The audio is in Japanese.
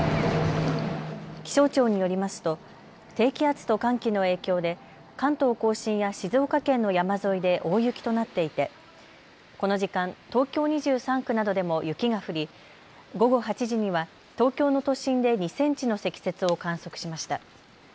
気象庁によりますと低気圧と寒気の影響で関東甲信や静岡県の山沿いで大雪となっていてこの時間、東京２３区などでも雪が降り午後８時には東京の都心で２センチの積雪を観測しました。